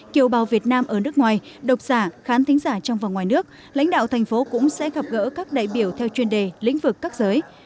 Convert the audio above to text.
kiều bào việt nam ở nước ngoài độc giả khán thính giả trong và ngoài nước lãnh đạo thành phố cũng sẽ gặp gỡ các đại biểu theo chuyên đề lĩnh vực các giới